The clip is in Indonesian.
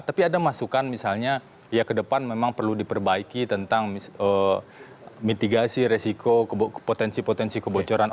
tapi ada masukan misalnya ya ke depan memang perlu diperbaiki tentang mitigasi resiko potensi potensi kebocoran